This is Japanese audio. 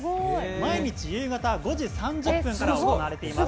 毎日夕方５時３０分から行われています。